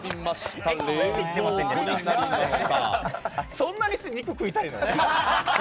そんなに肉食いたいの？